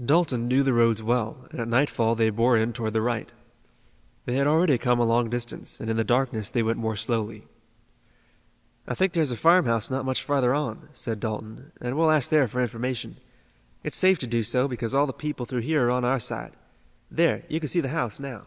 Dalton knew the roads well, and at nightfall they bore in toward the right. They had already come a long distance, and in the darkness they went more slowly. "I think there's a farmhouse not much further on," said Dalton, "and we'll ask there for information. It's safe to do so because all the people through here are on our side. There, you can see the house now."